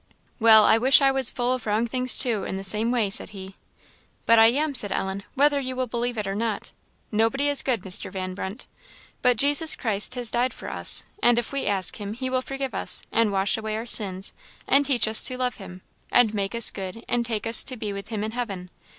"Well, I wish I was full of wrong things, too, in the same way," said he. "But I am," said Ellen "whether you will believe it or not. Nobody is good, Mr. Van Brunt. But Jesus Christ has died for us, and if we ask him, he will forgive us, and wash away our sins, and teach us to love him, and make us good, and take us to be with him in heaven.